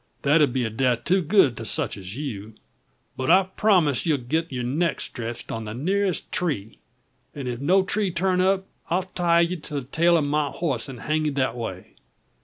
That 'ud be a death too good for sech as you. But I promise ye'll get yer neck streetched on the nearest tree; an' if no tree turn up, I'll tie ye to the tail o' my horse, an' hang ye that way.